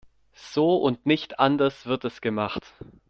So und nicht anders wird es gemacht.